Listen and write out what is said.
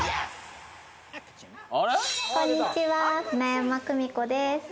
こんにちは、舟山久美子です。